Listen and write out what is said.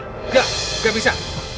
enggak gak bisa